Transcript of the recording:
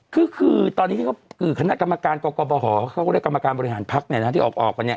คือคือตอนนี้ที่คณะกรรมการกรกบหเขาก็เรียกกรรมการบริหารพักเนี่ยนะที่ออกกันเนี่ย